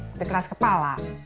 lebih keras kepala